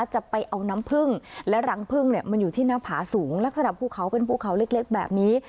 จะเอาน้ำพึ่งและรังพึ่งเนี่ยมันอยู่ที่หน้าผาสูงลักษณะภูเขาเป็นภูเขาเล็กแบบนี้